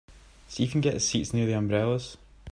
See if you can get us seats near the umbrellas.